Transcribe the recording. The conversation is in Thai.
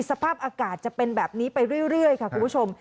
สภาพอากาศจะเป็นแบบนี้ไปเรื่อยค่ะคุณผู้ชม